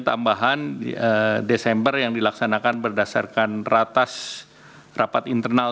tambahan desember yang dilaksanakan berdasarkan ratas rapat internal